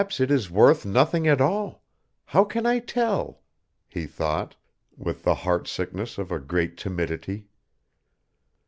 "Perhaps it is worth nothing at all. How can I tell?" he thought, with the heart sickness of a great timidity.